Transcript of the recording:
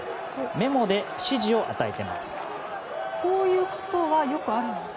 メモで指示を与えています。